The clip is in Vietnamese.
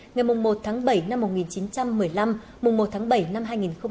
ngày một tháng bảy năm một nghìn chín trăm một mươi năm